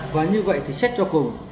và như vậy thì xét cho cùng